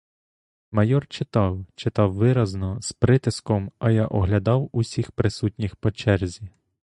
Майор читав, читав виразно з притиском, а я оглядав усіх присутніх по черзі.